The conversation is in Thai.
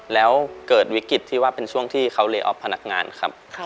แล้วเกิดวิกฤตที่ว่าเป็นช่วงที่เขาเลออฟพนักงานครับ